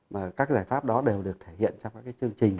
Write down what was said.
mà các giải pháp đó đều được thể hiện trong các cái chương trình